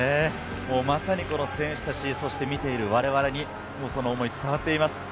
まさに選手達、見ている我々にその思い、伝わっています。